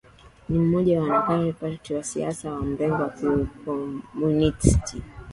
Ni mmoja wa wanaharakati wa siasa za mrengo wa Kikomunisti